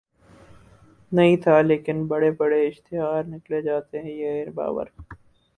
نہیں تھا لیکن بڑے بڑے اشتہارات نکالے جاتے یہ باور